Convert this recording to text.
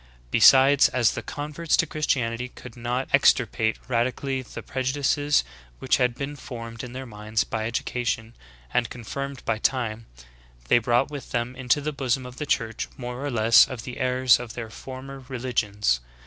Besides, as the converts to Christianity could not extirpate radically the prejudices which had been formed in their minds by education, and confirmed by time, they brought with them into the bosom of the church more or less of the errors of their former re ligions.